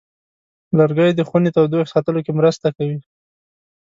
لرګی د خونې تودوخې ساتلو کې مرسته کوي.